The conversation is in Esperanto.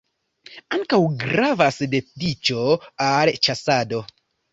Ankaŭ gravas dediĉo al ĉasado.